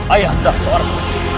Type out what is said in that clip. ayah anda seorang